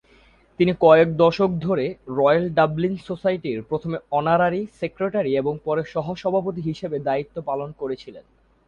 তিনি কয়েক দশক ধরে রয়েল ডাবলিন সোসাইটির প্রথমে অনারারি সেক্রেটারি এবং পরে সহ-সভাপতি হিসাবেও দায়িত্ব পালন করেছিলেন।